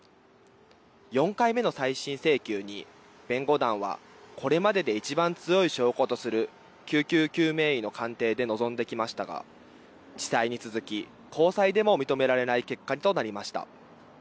４回目の再審請求に弁護団はこれまでで一番強い証拠とする救急救命医の鑑定で臨んできましたが地裁に続き高裁でも認められない結果となりました。